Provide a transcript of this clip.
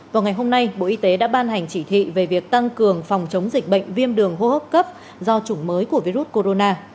vào ngày hôm nay bộ y tế đã ban hành chỉ thị về việc tăng cường phòng chống dịch bệnh viêm đường hô hấp cấp do chủng mới của virus corona